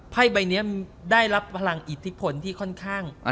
ใบนี้ได้รับพลังอิทธิพลที่ค่อนข้าง